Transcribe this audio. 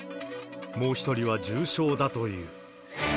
もう１人は重傷だという。